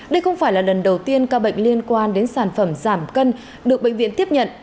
đây không phải là lần đầu tiên ca bệnh liên quan đến sản phẩm giảm cân được bệnh viện tiếp nhận